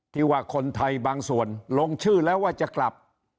ที่ว่าคนไทยบางส่วนลงชื่อแล้วว่าจะกลับ